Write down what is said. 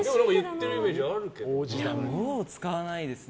もう使わないですね。